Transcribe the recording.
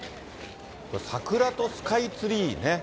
桜とスカイツリーね。